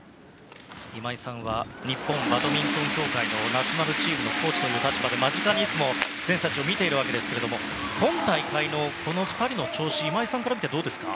今井さんは日本バドミントン協会のナショナルチームのコーチという立場で間近に選手たちを見ているわけですが今大会のこの２人の調子は、今井さんから見てどうですか？